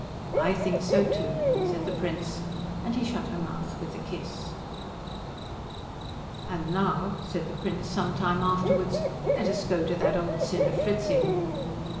"I think so too," said the Prince; and he shut her mouth with a kiss. "And now," said the Prince some time afterwards, "let us go to that old sinner Fritzing."